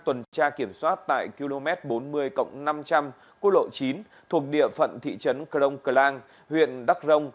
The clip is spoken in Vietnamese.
trả kiểm soát tại km bốn mươi cộng năm trăm linh của lộ chín thuộc địa phận thị trấn crong clang huyện đắc rông